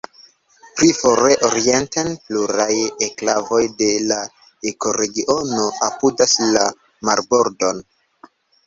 Pli fore orienten, pluraj enklavoj de la ekoregiono apudas la marbordon.